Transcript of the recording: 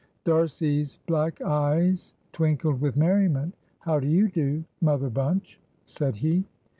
D'Arcy's black eyes twinkled with merriment. "How do you do, Mother Bunch?" said he.